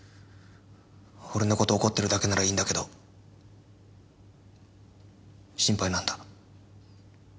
俺の事怒ってるだけならいいんだけど心配なんだ。